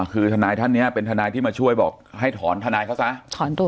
คือทนายท่านนี้เป็นทนายที่มาช่วยบอกให้ถอนทนายเขาซะ